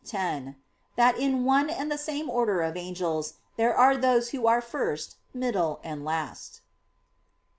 x) that in one and the same order of angels there are those who are first, middle, and last.